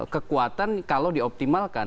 kekuatan kalau dioptimalkan